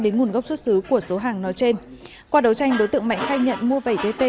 đến nguồn gốc xuất xứ của số hàng nói trên qua đấu tranh đối tượng mạnh khai nhận mua vẩy tt